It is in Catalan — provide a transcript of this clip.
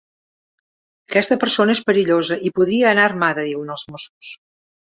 Aquesta persona és perillosa i podria anar armada –diuen els mossos–.